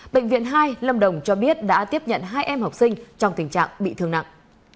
bệnh viện hai lâm đồng cho biết đã tiếp nhận hai em học sinh trong tình trạng bị thương nặng